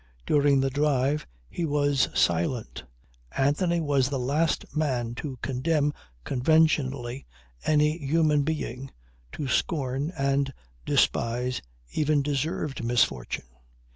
During the drive he was silent. Anthony was the last man to condemn conventionally any human being, to scorn and despise even deserved misfortune.